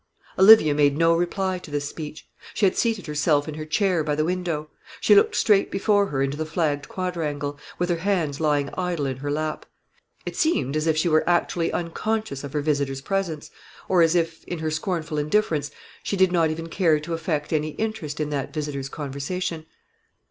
Olivia made no reply to this speech. She had seated herself in her chair by the window; she looked straight before her into the flagged quadrangle, with her hands lying idle in her lap. It seemed as if she were actually unconscious of her visitor's presence, or as if, in her scornful indifference, she did not even care to affect any interest in that visitor's conversation.